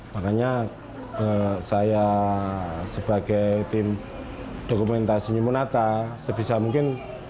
makanya saya sebagai tim dokumentasi new monata sebisa mungkin